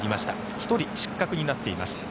１人失格になっています。